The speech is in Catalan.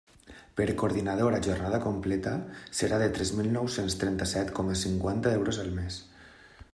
Per coordinador a jornada completa, serà de tres mil nou-cents trenta-set coma cinquanta euros al mes.